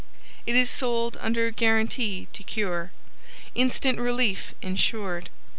It is sold under a guarantee to cure. Instant relief insured.